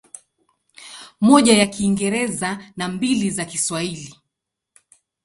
Moja ya Kiingereza na mbili za Kiswahili.